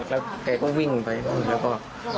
แล้วแกก็วิ่งไปแล้วก็